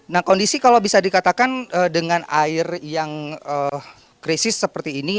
nah kondisi kalau bisa dikatakan dengan air yang krisis seperti ini